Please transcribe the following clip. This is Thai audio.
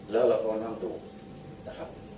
แล้วเราก็มานั่งดูนะครับ